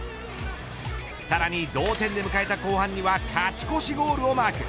さらに同点で迎えた後半には勝ち越しゴールをマーク。